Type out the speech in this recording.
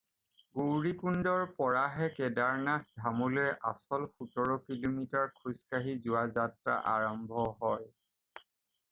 গৌৰীকুণ্ডৰ পৰাহে কেডাৰনাথ ধামলৈ আচল সোতৰ কিলোমিটাৰ খোজকাঢ়ি যোৱা যাত্ৰা আৰম্ভ হয়।